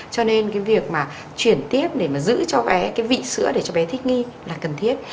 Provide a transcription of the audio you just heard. cho nên cái việc mà chuyển tiếp để mà giữ cho bé cái vị sữa để cho bé thích nghi là cần thiết